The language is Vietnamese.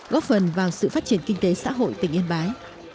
góp phần vào sự phát triển kinh tế xã hội tỉnh yên bái